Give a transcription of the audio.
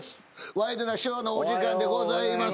『ワイドナショー』のお時間でございます。